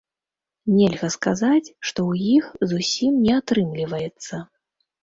Нельга сказаць, што ў іх зусім не атрымліваецца.